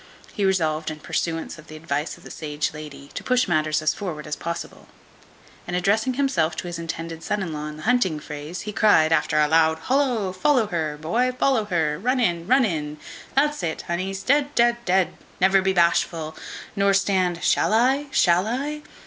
He resolved, in pursuance of the advice of the sage lady, to push matters as forward as possible; and addressing himself to his intended son in law in the hunting phrase, he cried, after a loud holla, "Follow her, boy, follow her; run in, run in; that's it, honeys. Dead, dead, dead. Never be bashful, nor stand shall I, shall I?